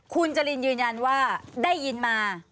คุณจรินยืนยันว่าได้ยินมา